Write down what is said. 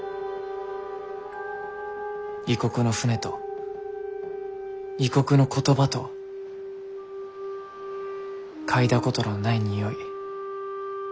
異国の船と異国の言葉と嗅いだことのない匂い。